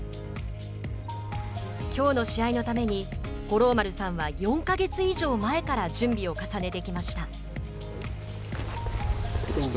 きょうの試合のために五郎丸さんは４か月以上前から準備を重ねてきました。